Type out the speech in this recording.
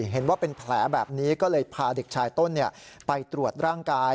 เห็นว่าเป็นแผลแบบนี้ก็เลยพาเด็กชายต้นไปตรวจร่างกาย